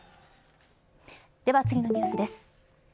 では次のニュースです。